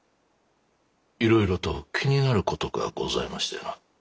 いろいろと気になることがございましてな。